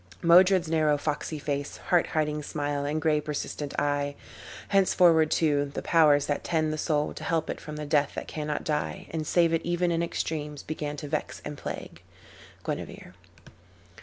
"Modred's narrow foxy face, Heart hiding smile, and gray persistent eye: Henceforward, too, the Powers that tend the soul To help it from the death that cannot die, And save it even in extremes, began To vex and plague." Guinevere.